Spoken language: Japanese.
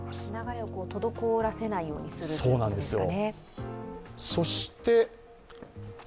流れを滞らせないようにするということですね。